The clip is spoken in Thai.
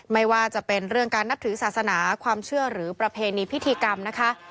ไม่ว่าจะเป็นเรื่องการนับถือศาสนาความเชื่อหรือประเพณีพิธีกรรมนะคะ